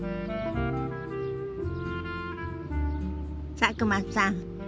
佐久間さん